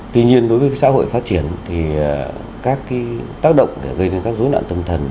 tuy nhiên đối với xã hội phát triển thì các tác động để gây nên các dối loạn tâm thần